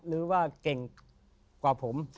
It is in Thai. หรือว่าเก่งกว่าผม